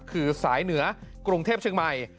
คือสายเหนือกรุงเทพชึงมัย